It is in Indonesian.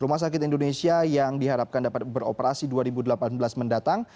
rumah sakit indonesia yang diharapkan dapat beroperasi dua ribu delapan belas mendatang